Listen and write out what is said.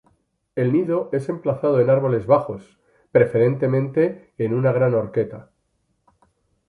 El nido es emplazado en árboles bajos, preferentemente en una gran horqueta.